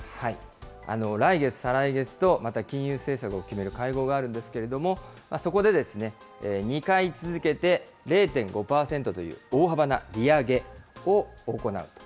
来月、再来月とまた金融政策を決める会合があるんですけれども、そこで、２回続けて０．５％という大幅な利上げを行うと。